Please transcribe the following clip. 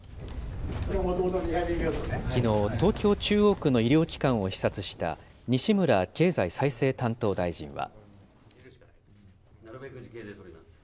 きのう、東京・中央区の医療機関を視察した、西村経済再生担当大臣は。